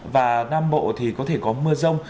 và nam bộ thì có thể có mưa rông